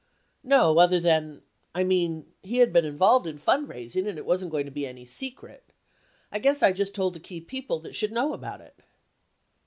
No other than, I mean, he had been involved in fundraising and it wasn't going to be any secret. I guess I just told the key people that should know about it.